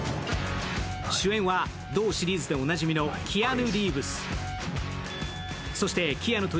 主演は同シリーズでおなじみのキアヌ・リーブス。